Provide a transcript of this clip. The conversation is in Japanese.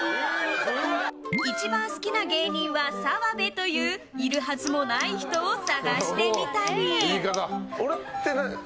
一番好きな芸人は澤部といういるはずもない人を捜してみたり。